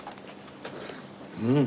うん！